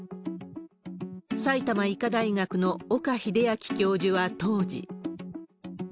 埼玉医科大学の岡秀昭教授は当時。